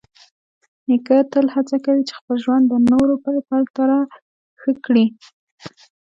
نیکه تل هڅه کوي چې خپل ژوند د نورو په پرتله ښه کړي.